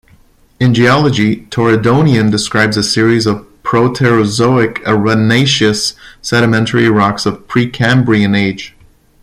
In geology, Torridonian describes a series of proterozoic arenaceous sedimentary rocks of Precambrian age.